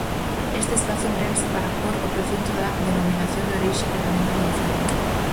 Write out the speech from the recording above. Este espazo emprégase para pór o precinto da Denominación de Orixe, que tamén evolucionou.